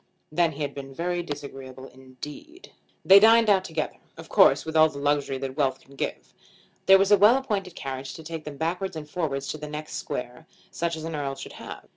Then he had been very disagreeable indeed. They dined out together, of course with all the luxury that wealth can give. There was a well appointed carriage to take them backwards and forwards to the next square, such as an Earl should have.